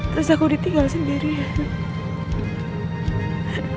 terus aku ditinggal sendirian